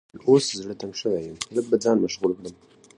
ما ورته وویل اوس زړه تنګ شوی یم، لږ به ځان مشغول کړم.